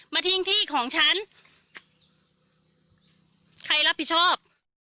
ทิ้งที่ของฉันใครรับผิดชอบ